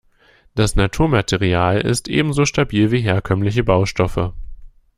Das Naturmaterial ist ebenso stabil wie herkömmliche Baustoffe.